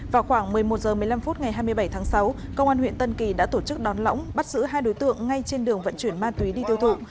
vào khoảng một mươi một h một mươi năm phút ngày hai mươi bảy tháng sáu công an huyện tân kỳ đã tổ chức đón lõng bắt giữ hai đối tượng ngay trên đường vận chuyển ma túy đi tiêu thụ